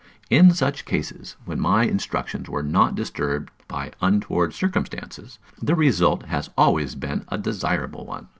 In such cases, when my instructions were not disturbed by untoward circumstances, the result has always been a desirable one.